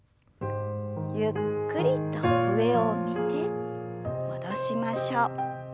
ゆっくりと上を見て戻しましょう。